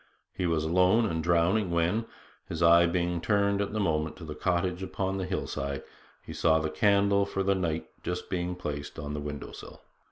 He was alone and drowning when, his eye being turned at the moment to the cottage upon the hillside, he saw the candle for the night just being placed on the window sill.